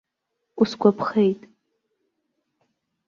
Усгәаԥхеит.